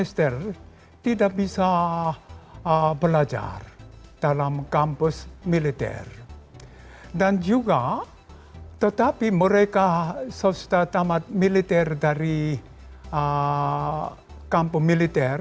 ketika diperhatikan mereka tidak bisa belajar di kampus militer